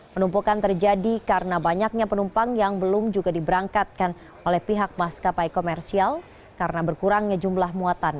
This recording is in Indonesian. penumpukan terjadi karena banyaknya penumpang yang belum juga diberangkatkan oleh pihak maskapai komersial karena berkurangnya jumlah muatan